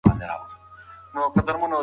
لوستونکي بايد د علمي محتوا سره اشنا شي.